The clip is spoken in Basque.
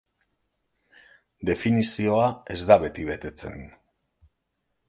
Definizioa ez da beti betetzen.